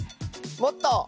もっと！